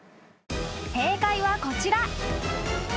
［正解はこちら］